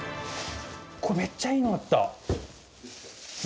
これ、めっちゃいいのあった。